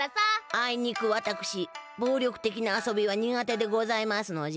あいにくわたくしぼう力てきなあそびは苦手でございますのじゃ。